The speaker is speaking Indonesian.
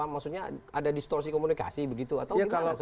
maksudnya ada distorsi komunikasi begitu atau gimana